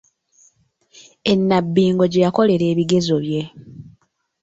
E Nabbingo gye yakolera ebigezo bye.